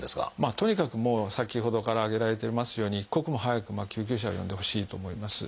とにかくもう先ほどから挙げられていますように一刻も早く救急車を呼んでほしいと思います。